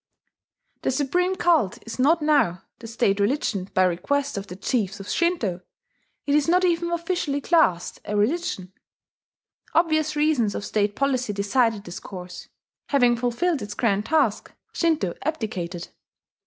The Supreme Cult is not now the State Religion by request of the chiefs of Shinto, it is not even officially classed as a religion. Obvious reasons of state policy decided this course. Having fulfilled its grand task, Shinto abdicated.